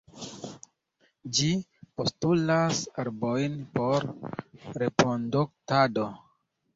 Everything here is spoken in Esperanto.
Ĝi postulas arbojn por reproduktado.